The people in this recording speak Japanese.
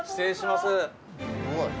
すごい。